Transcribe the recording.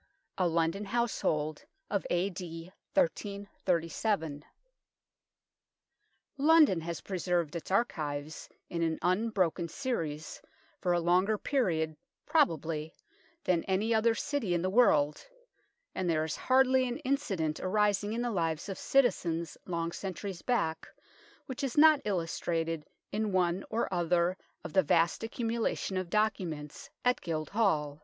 XVIII A LONDON HOUSEHOLD OF A.D. 1337 LONDON has preserved its archives in an unbroken series for a longer period, probably, than any other city in the world, and there is hardly an incident arising in the lives of citizens long centuries back which is not illustrated in one or other of the vast accumulation of documents at Guildhall.